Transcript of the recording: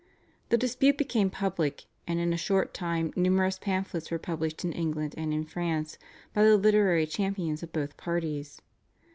The dispute became public, and in a short time numerous pamphlets were published in England and in France by the literary champions of both parties.